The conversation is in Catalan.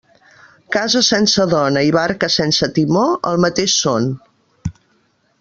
Casa sense dona i barca sense timó, el mateix són.